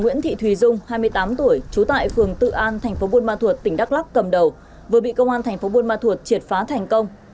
tiến thị thùy dung hai mươi tám tuổi trú tại phường tự an tp buôn ma thuột tỉnh đắk lắc cầm đầu vừa bị công an tp buôn ma thuột triệt phá thành công